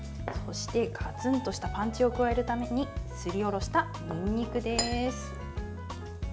そして、ガツンとしたパンチを加えるためにすりおろした、にんにくです。